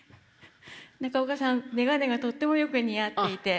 中岡さんメガネがとってもよく似合っていて。